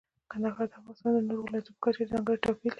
کندهار د افغانستان د نورو ولایاتو په کچه ځانګړی توپیر لري.